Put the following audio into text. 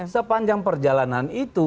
sepanjang perjalanan itu